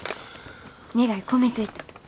願い込めといた。